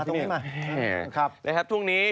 รบมาตรงนี้มา